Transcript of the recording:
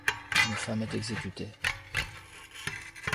Une femme est exécutée.